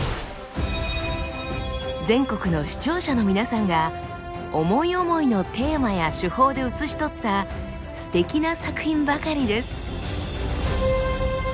全国の視聴者のみなさんが思い思いのテーマや手法で写し取ったすてきな作品ばかりです。